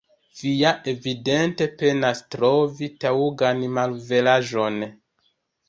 Vi ja evidente penas trovi taŭgan malveraĵon.